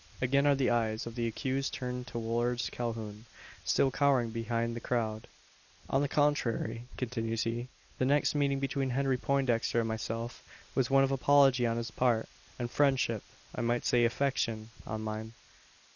Again are the eyes of the accused turned towards Calhoun, still cowering behind the crowd. "On the contrary," continues he, "the next meeting between Henry Poindexter and myself, was one of apology on his part, and friendship I might say affection on mine.